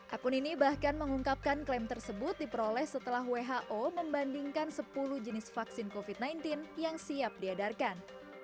akun ini bahkan mengungkapkan klaim tersebut diperoleh setelah who membandingkan sepuluh jenis vaksin covid sembilan belas yang siap diedarkan